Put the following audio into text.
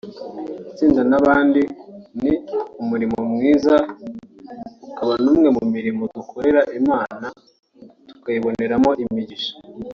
itsinda n’abandi) ni umurimo mwiza ukaba n’umwe mu mirimo dukorera Imana tukayiboneramo imigisha